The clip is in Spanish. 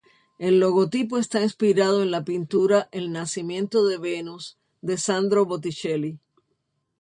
El logotipo está inspirado en la pintura El nacimiento de Venus de Sandro Botticelli.